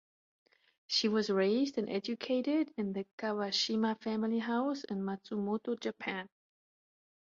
She was raised and educated in the Kawashima family house in Matsumoto, Japan.